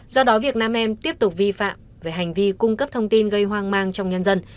do đó việc nam em tiếp tục vi phạm về hành vi cung cấp thông tin gây hoang mang trong nhân dân